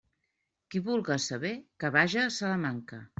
Qui vulga saber, que vaja a Salamanca.